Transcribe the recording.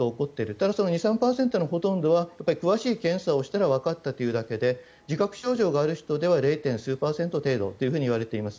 ただ、その２３％のほとんどは詳しい検査をしたらわかったというだけで自覚症状がある人では０．数パーセント程度といわれています。